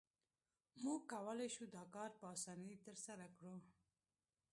موږ کولای شو دا کار په اسانۍ ترسره کړو